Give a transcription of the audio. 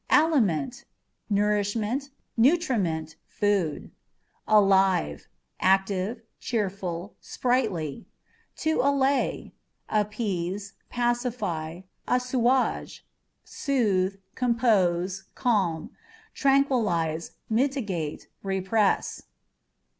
Aliment â€" nourishment, nutriment, food. Alive â€" active, cheerful, sprightly. To Allay â€" appease, pacify, assuage, soothe, compose, calm, tranquillize, mitigate, repress.